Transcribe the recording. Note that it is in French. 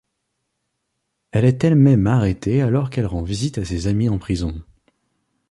Elle est elle-même arrêtée alors qu'elle rend visite à ses amis en prison.